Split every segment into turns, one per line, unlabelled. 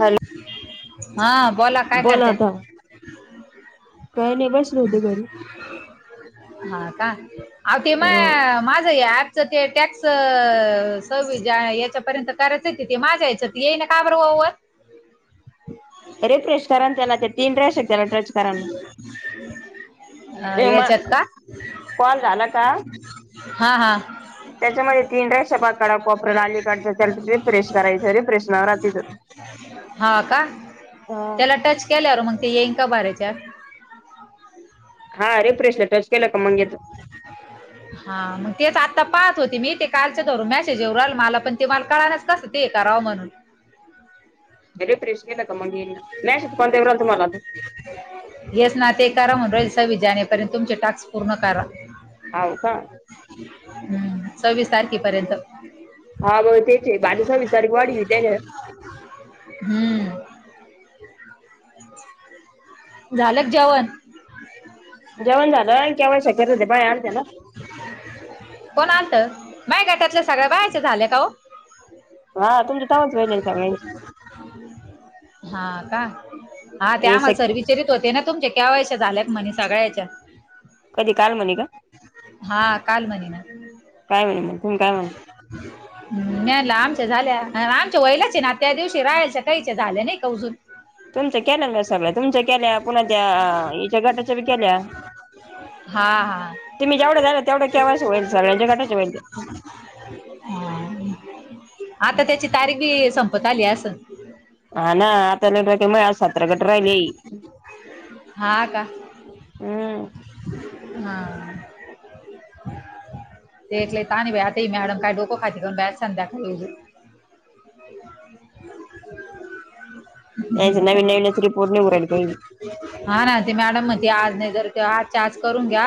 Hello.
हा बोला. काय
बोल
करते
आता काही नाही बस
हा का आव ते म
अ
माझ ही ॲप च ते टॅक्स सव्वीस जा याच्यापर्यंत करायचेत ते माझ्या याच्यात येई ना का बर [unintelligible]
रिफ्रेश करा अन् त्याला ते तीन राहश त्याला ट्रच करा ना.
हा
ते
ह्याच्यात
मग
का?
कॉल झाला का
हा हा.
त्याच्यामध्ये तीन रेषा पाक काढा कोपऱ्याला अलीकडच्या त्या रिफ्रेश करायची रिफ्रेश [unintelligible]
हा का
हा
त्याला टच केल्यावर मग ते येंका बार्याच्या. [inaudible]
हा रेफ्रेशला टच केलं का मंगेेतो.
हा मग तेच आता पाहत होते मी ते कालचे र मॅसेज येव आल मला पण ते मला कळाण्याच कसं ते कराव म्हणून.
रिफ्रेश केला का मग येईल ना मॅसेज कोणत्या [unintelligible]
येस ना ते करा म्हण राय सवी जानेपर्यंत तुमचे टास्क पूर्ण करा.
हाव का?
हम्म सव्वीस तारखेपर्यंत.
हा बहूतेक ते बावीस सव्वीस तारीख वाढवली त्याने
हम्म झालं का जेवण
जेवण झालं अण के वाय सी करायला त्या बाया आलत्या ना
कोण आलतं माय गटातल्या सगळ्या बायांच झालं का हो
हा तुमचे तवाच व्हायले सगळ्यांचे
हा का हा ते
हे स
आम्हाला सर विचारीत होते ना तुमच्या के वाय सी झाल्यात म्हणे सगळ्याच्या
कधी काल म्हणले का
हा काल म्हणे
काय म्हणले तुम्ही काय म्हणले
हम् [unintelligible] नेरला आमच्या झाल्या आमच्या वयलाचे ना त्या दिवशी राहायच्या काहीच्या झाल्या नाही का अजून
तुमच्या केल्या ना सगळ्या तुमच्या केल्या पुन्हा त्या याच्या गटाच्या बी केल्या
हा हा
तुम्ही जेवढ्या जन आहे तेवढ्या के वाय सी होईल सगळ्यांच्या गटाच्या होईल त्या
हा आता त्याची तारीख बी संपत आली आसल
हा ना आता नाही माया आज सतरा गट राहिले
हां का.
हम्म
हा ते एक लय ताण हाय बाई आता ही मॅडम काय डोकं खाती डायरेक्ट संध्याकाळी येई दे-
[inaudible] तेच नवीन नवीनच रिपोर्ट नीऊ राहीली काय बी
हा ना ते मॅडम मती आज नाही तर आज च्या आज करून घ्या.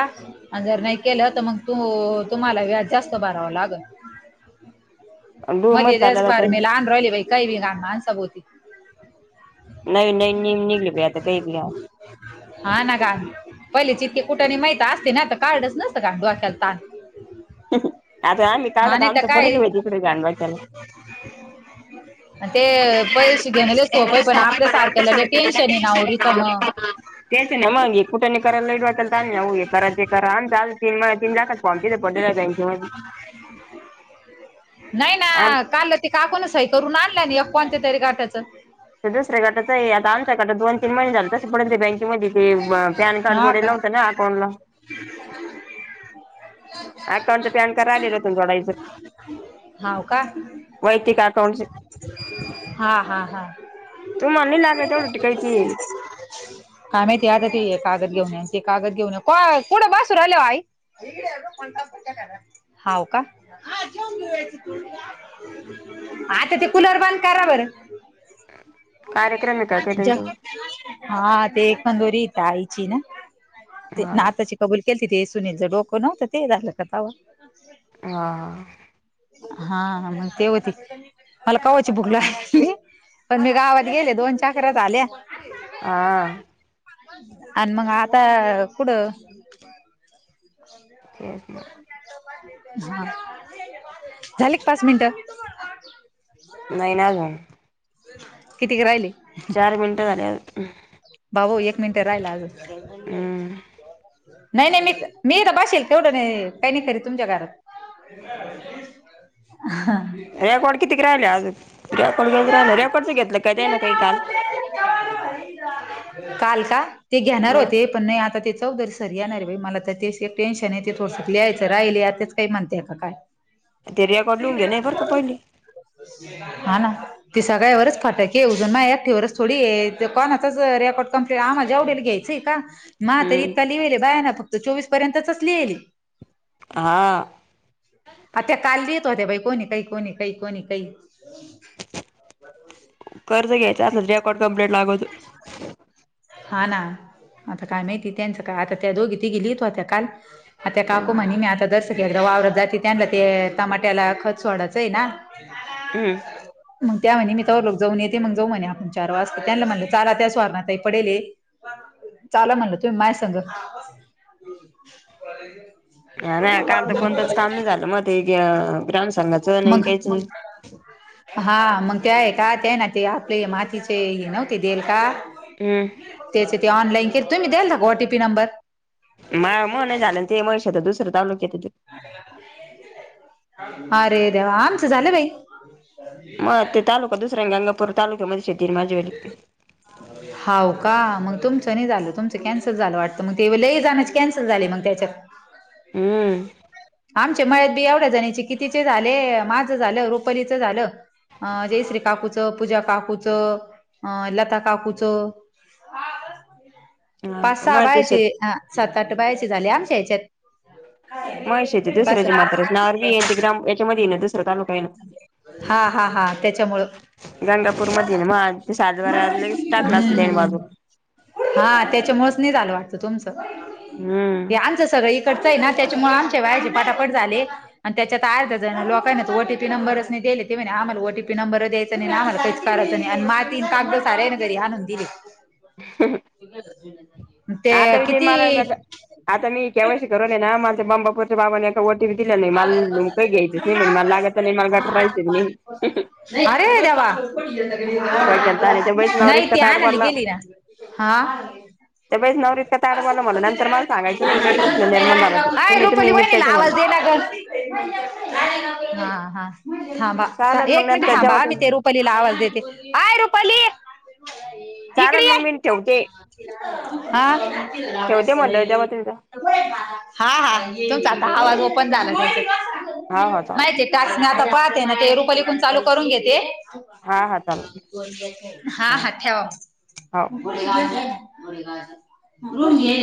आणि जर नाही केलं तर मग तू तुम्हाला व्याज जास्त भरावं लागल.
[inaudible] आणि डूमच
मध्ये लईच
चालला
[unintelligible]
आता
फार मी लहान राहिली बा काही मी घान माणसाभोवती.
नवीन नवीन नियम निघले बई आता काही बी
हा ना गा. पहिलेच इतके कुठाने माहित असते ना तर काढलच नसतं का डोक्याला ताण.
ह ह आता आम्ही काढलं
हा
तर
नाही
आमचं पडेल
काय
होय तिकडे [unintelligible] गाडवा त्याला.
[inaudible] ते पैसे घेण लय सोपय पण आपल्या सारखेला लय टेन्शन आहे ना आव रिकामं.
तेच ना मग. कुठाने करायला लय होक्याला ताण हाय अहो हे करा ते करा आमच अजून तीन पावणेतीन लाखाच फॉम तिथं पडलेलाय बँकेमध्ये.
नाही ना.
आमचं
काल ते काकु न सही करून आणल्या न एक कोण त्या तरी गटाच. ते
ते दुसऱ्या गटाच हाये आता आमच्या गटात दोन तीन महिने झाले तस पडल ते बँकेमध्ये ते मग पॅन कार्ड
हा का
जोडीला होत ना अकाउंट ला.
[inaudible]
अकाउंटच पॅन कार्ड राहिलेलं होत ना जोडायच
हाव का
वैयक्तिक अकाउंटच.
हा हा हा.
तुम्हाला नाही लागत तेवढं ते काय ती.
ते आम्ही ते आता ते- कागद घेऊन या ते कागद घेऊन या कुठं बसून राहिल्या ओ आई? हाव का? [unintelligible] आत्या ते कुलर बंद करा बर.
कार्यक्रम आहे का काय
जा
त्यांच्यावर
हा ते तंदोरी हिथ आईची ना ते
हा
नाथाची कबूल केलतं ते सुनीलचं डोकं नव्हतं ते हे झालतं का तवा.
हा हा हा.
हा हा मग ते होते. मला कवाची भुक लागली. पण मी गावात गेले, दोन चकऱ्या झाल्या.
आ.
आण मग आता कुठं?
तेच ना
हा झाले का पाच मिनिटं?
नाही ना आजून.
कितीक राहिले?
नऊ मिनटं झाल्यावर.
बाबो एक मिनिटं राहिला आजून.
हम्म
नाही नाही मी मी इथ बशेले तेवढं नाही, काही नाही करीत तुमच्या घरात. हा.
रेकॉर्ड कितीक राहिले आजुन? रेकॉर्ड गंज राहिलं. रेकॉडच घेतलंय का त्यानं काही काम?
काल का? ते घेणार
ह
होते. पण नाही आता ते चौदरी सर येणारे बाई. मला तर तेच एक टेन्शन आहे. ते थोडसंक लिहायचं राहिले आता त्याच काही म्हणत्या का काय?
ते रेकॉर्ड लिहून देणेये बरं का पहिले.
हा ना. ते सगळ्यावरच फटाके उद्या. मा एकटीवरच थोडीये, ते कोणाचच रेकॉड कमंप्लीट आम्हाला जेवढ्यांना घ्यायचंय का मा तर
हम्म
इतका लिवेले, बाया ना फक्त चोवीस पर्यंतचच लिहेले.
हा.
आता त्या काल लिहित होत्या बाई, कोणी काही कोणी काही कोणी काही. [inaudible]
कर्ज घ्यायच असलं, रेकॉर्ड कम्पलेट लागत.
हा ना. आता काय माहिती त्यांचं काय? आता त्या दोघी तीघी लिहीत होत्या काल. आता त्या काकु म्हणे, मी आता दश एकदा वावरात जाते. त्यांना ते टमाट्याला खत सोडायचं आहे ना.
हम.
मग त्या म्हणे, मी तवलोग जाऊन येते. मग जाऊ म्हणे आपण चार वाजता. त्यांना म्हणलं चालत्या सुवर्णा ताई पडेले. चाला म्हणलं तुम्ही माया सगं.
हा ना. काल तर कोणतंच काम नाही झालं. मग ते ग्राम संंघाचं नाही
मग
काहीच नाही.
हा मग ते आहे का, ते ना ते आपले मातीचे हे नव्हते देल का?
हम.
त्याच ते ऑनलाईन चे. तुम्ही द्यालथा का ओ टी पी नंबर?
मा मुळं नाही झालं ते. ते मनीषाच दुसऱ्या तालुक्यात ते.
अरे देवा! आमचं झालं बाई. [inaudible]
मग ते तालुका दुसराये ना, गंगापूर तालुक्यामध्ये शेतीये ना माझीवाली.
हाव का? मग तुमचं नाही झालं. तुमचं कॅन्सल झालं वाटतं. मग ते लई जणांची कॅन्सल झाले मग त्याच्यात.
हम्म.
आमच्या मळ्यात बी एवढ्या जणींचे कितीचे झाले. माझं झालं, रुपलीचं झालं अ जयश्री काकूच पूजा काकूचं, अ लता काकूचं.
हा
पाच सहा
मग ते शेत
बायाचे, अ सात आठ बायाचे झाले आमच्या याच्यात.
मनीषाची दुसऱ्याची म्हाताऱ्याच्या नावावर बी ये, गाम याच्यामध्ये ये ना दुसरा तालुका ये ना.
हा हा हा त्याच्यामुळं.
गंगापूर मध्ये मग आज सातवारचलगेच टाकला अस
हम्म
तेन
हम्म
बाजून -
हा त्याच्यामुळेच नाही झालं वाटत तुमचं हे
हम्म
आमचं सगळं इ. इकडचं त्याच्यामुळे आमच्या बायाचे पाटापट झाले आणि त्याच्या आर्धा लाक - काय नाही ओटीपी नंबर नाही दिले ते आम्हाला ओटीपी नंबरच्यायचं नाही आम्हालाहीच करायच आणि माती कागद सारे- घरी आणून दिले.
[inaudible]
ते
आता बी
किती -
मला आता मी कवशी करूनय ना माझे बांबापूर. बाबाने ए ओटीपी दिला नाही मला काही घ्यायचच नाही म्हण मला लागत नाही मला घट राहायच नाही
अरे देवा
डोक्यात आणि त्या बाईच नवरा
नाही
इतका
त
ताठ
आणली
बोलला
गेली ना. हा.
त्या बाईच नवरा इतका ताठ बोलला मला नंतर मला सांगायचं नाही काही प्रश्न निर्माण झाला तर
अय
तुम्ही
रुपली
तुम्ही
वहिनीला
निपटायचं
आवाज -
म्हणून
दया गं हा
चालेल मग
एक मिनिट
नंतर जेव्हा
थांबा.
तुम्ही
रुपालीला आवाज देते आय रुपाली. इकडे
चाललं
ये
मग मी ठवते.
हा.
ठेवते म्हणलं जेव्हा तुम्ही
हा हा तुमचा आता आवाज ओपन झाला
हा हा चालेल
माहिती. टास्क ना पाहते ते रूपाली कुन चालू करून घेते.
हा हा चालेल
हा हा ठेवा
हो
मग. घोडे गावाचं घोडे गावाचं रूम घेयल हे.